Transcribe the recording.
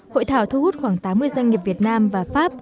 hội thảo thu hút khoảng tám mươi doanh nghiệp việt nam và pháp